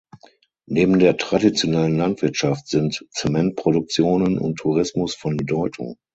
Neben der traditionellen Landwirtschaft sind Zementproduktion und Tourismus von Bedeutung.